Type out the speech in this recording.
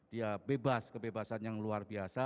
dia bebas kebebasan yang luar biasa